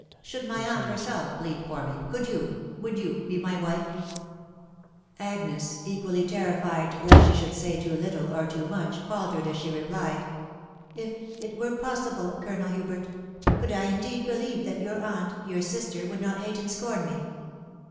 ... Should my aunt herself plead for me .... could you, would you, be my wife ?" Agnes, equally terrified lest she should say too little or too much, faltered as she replied, "If it were possible, Colonel Hubert .... could 1 indeed believe that your aunt, your sister, would not hate and scorn me.